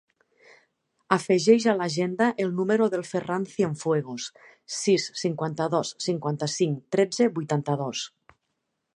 Afegeix a l'agenda el número del Ferran Cienfuegos: sis, cinquanta-dos, cinquanta-cinc, tretze, vuitanta-dos.